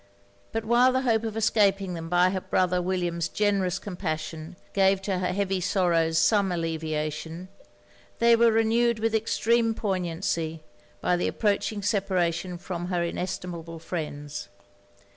But while the hope of escaping them by her brother William's generous compassion, gave to her heavy sorrows some alleviation, they were renewed with extreme poignancy, by the approaching separation from her inestimable friends.